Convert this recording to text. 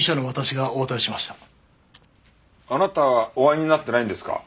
あなたお会いになってないんですか？